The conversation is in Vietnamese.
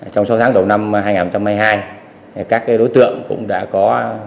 trong sáu tháng đầu năm hai nghìn hai mươi hai các đối tượng cũng đã có